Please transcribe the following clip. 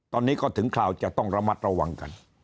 ตอนนี้ก็ถึงคราวจะต้องระมัดระวังกัน